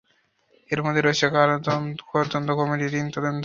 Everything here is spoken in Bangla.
এর মধ্যে রয়েছে কর তদন্ত কমিটি, ঋণ তদন্ত কমিশন।